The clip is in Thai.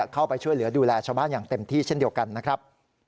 เข้าไปช่วยเหลือดูแลชาวบ้านอย่างเต็มที่เช่นเดียวกันนะครับ